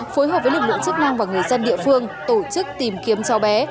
phối hợp với lực lượng chức năng và người dân địa phương tổ chức tìm kiếm cháu bé